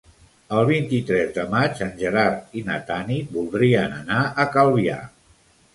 El vint-i-tres de maig en Gerard i na Tanit voldrien anar a Calvià.